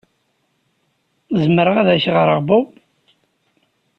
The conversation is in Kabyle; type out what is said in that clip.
Zemreɣ ad ak-ɣreɣ Bob?